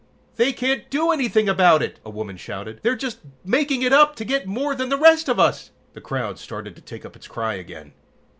"They can't do anything about it!" a woman shouted. "They're just making it up to get more than the rest of us!" The crowd started to take up its cry again.